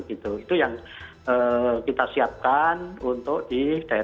itu yang kita siapkan untuk di daerah